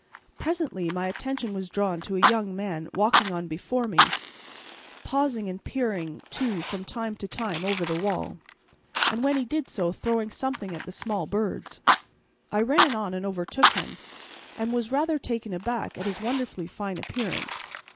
Presently my attention was drawn to a young man walking on before me, pausing and peering too from time to time over the wall, and when he did so throwing something at the small birds. I ran on and overtook him, and was rather taken aback at his wonderfully fine appearance.